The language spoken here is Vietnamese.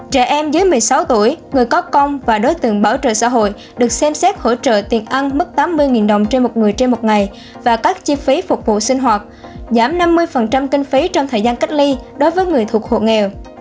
trẻ em dưới một mươi sáu tuổi người có công và đối tượng bảo trợ xã hội được xem xét hỗ trợ tiền ăn mức tám mươi đồng trên một người trên một ngày và các chi phí phục vụ sinh hoạt giảm năm mươi kinh phí trong thời gian cách ly đối với người thuộc hộ nghèo